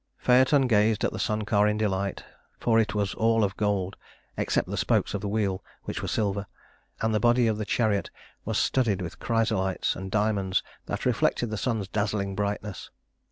Phaëton gazed at the sun car in delight, for it was all of gold except the spokes of the wheel, which were of silver and the body of the chariot was studded with chrysolites and diamonds that reflected the sun's dazzling brightness.